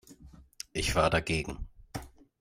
Ich war dagegen.